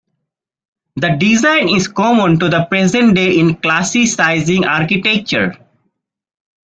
The design is common to the present-day in classicizing architecture.